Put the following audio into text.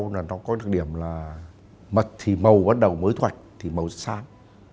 keo có những điểm là mật thì màu bắt đầu mới thoạch màu sáng